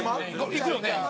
いくよね？